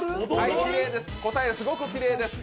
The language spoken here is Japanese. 答え、すごくきれいです。